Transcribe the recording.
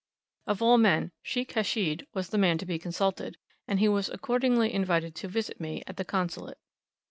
Of all men Sheikh Hashid was the man to be consulted, and he was accordingly invited to visit me at the Consulate.